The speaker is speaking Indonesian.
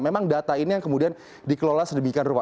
memang data ini yang kemudian dikelola sedemikian rupa